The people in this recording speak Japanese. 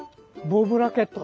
ボウブラケット？